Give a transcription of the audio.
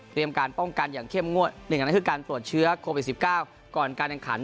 กินการป้องกันอย่างเข้มงวดอีกอย่างนึงคือการปรวจเชื้อโควิด๑๙ก่อนการแดงขาด